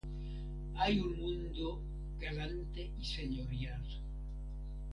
Hay un mundo galante y señorial.